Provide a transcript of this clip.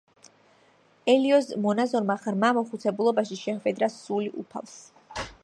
ელიოზ მონაზონმა ღრმა მოხუცებულობაში შეჰვედრა სული უფალს.